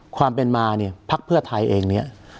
ความเป็นมาเนี่ยพักเพื่อไทยเองเนี่ย